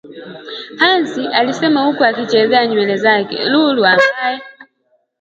Hasani alisema huku akizichezea nywele zake Lulu ambaye